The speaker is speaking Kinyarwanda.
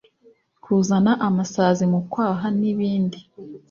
Kuzana amasazi mu kwaha n’ibindi”